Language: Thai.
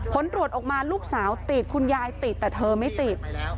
ผลตรวจออกมาลูกสาวติดคุณยายติดแต่เธอไม่ติด